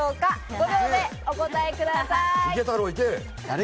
５秒でお答えください。